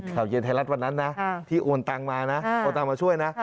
ข่าวเย็นไทยรัฐวันนั้นนะที่โอนตังมานะโอนตังค์มาช่วยนะ